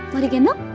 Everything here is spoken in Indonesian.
mau di gendong